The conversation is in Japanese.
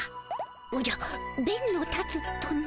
おじゃべんの立つとな？